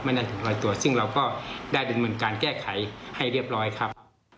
ไม่มีน่าถึงร้อยตัวจึงเราก็ได้ดัดมันการแก้ไขให้เรียบร้อยครับ